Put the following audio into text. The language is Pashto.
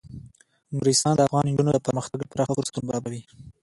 نورستان د افغان نجونو د پرمختګ لپاره ښه فرصتونه برابروي.